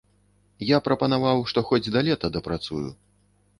Я прапанаваў, што хоць да лета дапрацую.